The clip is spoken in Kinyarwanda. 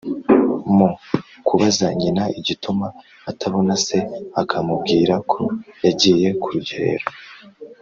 Mu kubaza nyina igituma atabona se, akamubwira ko yagiye ku rugerero,